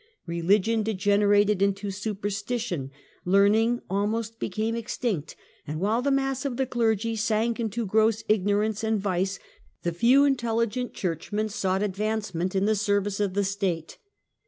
Eeligion degenerated into superstition, learning almost became extinct, and while the mass of ^Khe clergy sank into gross ignorance and vice, the few t telligent churchmen sought advancement in the service l^_a] f the State.